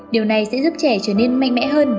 điều này sẽ giúp trẻ trở nên mạnh mẽ hơn